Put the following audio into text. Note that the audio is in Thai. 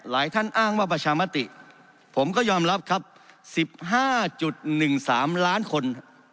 หลายท่านอ้างว่าประชามติผมก็ยอมรับครับสิบห้าจุดหนึ่งสามล้านคน